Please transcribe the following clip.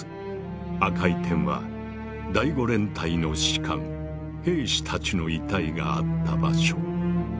赤い点は第５連隊の士官・兵士たちの遺体があった場所。